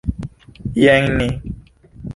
Jen ni!